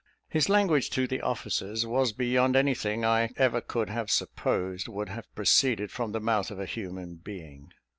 His language to the officers was beyond any thing I ever could have supposed would have proceeded from the mouth of a human being.